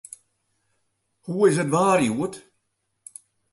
Hoe is it waar hjoed?